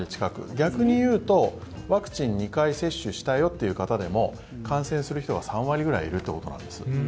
逆に言うとワクチンを２回接種したよという人でも感染する人が３割ぐらいいるということなんです。